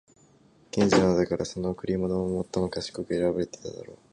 賢者なのだから、その贈り物も最も賢く選ばていただろう。